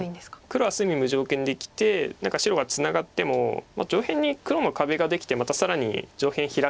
黒は隅無条件で生きて何か白はツナがっても上辺に黒の壁ができてまた更に上辺ヒラキというか。